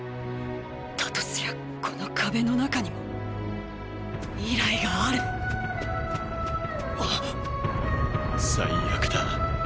だとすりゃこの壁の中にも未来がある最悪だ。